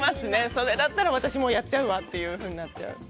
それだったら私もやっちゃうみたいになっちゃう。